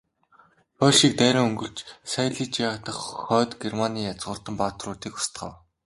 Польшийг дайран өнгөрч, Сайлижиа дахь Хойд Германы язгууртан баатруудыг устгав.